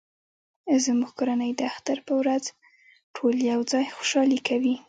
زموږ کورنۍ د اختر په ورځ ټول یو ځای خوشحالي کوي